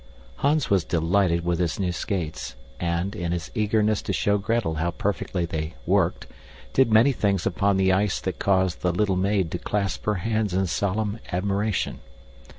Hans was delighted with his new skates and, in his eagerness to show Gretel how perfectly they "worked," did many things upon the ice that caused the little maid to clasp her hands in solemn admiration.